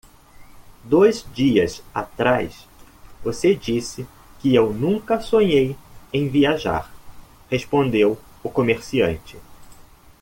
"Dois dias atrás? você disse que eu nunca sonhei em viajar?" respondeu o comerciante.